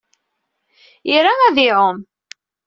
Ira ad iɛum.